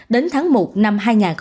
đến tháng một năm hai nghìn hai mươi hai